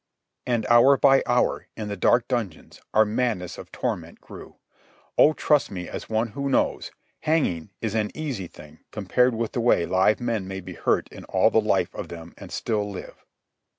And hour by hour, in the dark dungeons, our madness of torment grew. Oh, trust me as one who knows, hanging is an easy thing compared with the way live men may be hurt in all the life of them and still live.